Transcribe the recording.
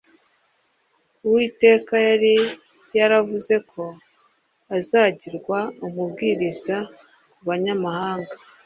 Uwiteka yari yaravuze ko azagirwa umubwiriza ku banyamahanga